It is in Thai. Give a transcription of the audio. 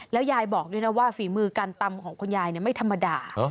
ยายบอกด้วยนะว่าฝีมือการตำของคุณยายไม่ธรรมดา